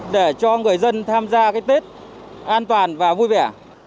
để cho người dân tham gia cái tết an toàn và vui vẻ